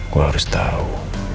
gue harus tahu